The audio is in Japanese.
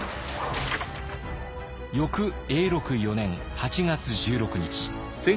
翌永禄４年８月１６日。